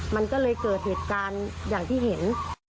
มันก็เลยเกิดเหตุการณ์อย่างที่เห็น